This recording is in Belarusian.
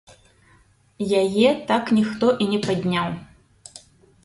Яе так ніхто і не падняў.